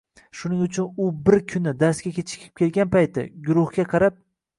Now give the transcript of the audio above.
Shuning uchun, U bir kuni darsga kechikib kelgan payti, guruhga qarab